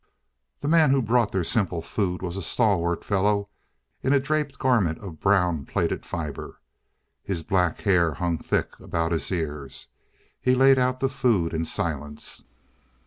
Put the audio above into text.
The man who brought their simple food was a stalwart fellow in a draped garment of brown plaited fibre. His black hair hung thick about his ears. He laid out the food in silence.